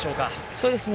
そうですね。